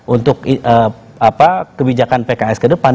untuk kebijakan pks kedepan